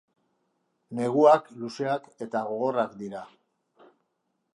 Neguak luzeak eta gogorrak dira.